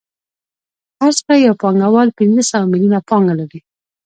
فرض کړئ یو پانګوال پنځه سوه میلیونه پانګه لري